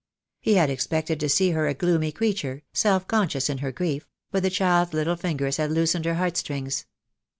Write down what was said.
He had expected to see her a gloomy creature, self conscious in her grief — but the child's little fingers had loosened her heart strings.